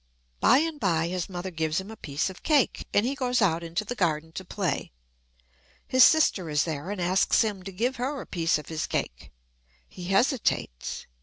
By and by his mother gives him a piece of cake, and he goes out into the garden to play. His sister is there and asks him to give her a piece of his cake. He hesitates.